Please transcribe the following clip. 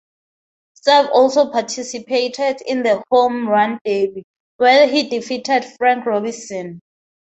Cerv also participated in the Home Run Derby, where he defeated Frank Robinson.